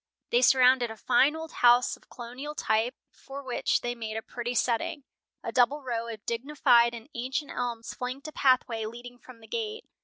They surrounded a fine old house of colonial type, for which they made a pretty setting. A double row of dignified and ancient elms flanked a pathway leading from the gate.